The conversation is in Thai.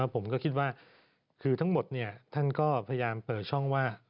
ผมก็คิดว่าคือทั้งหมดท่านก็พยายามเปิดช่องว่า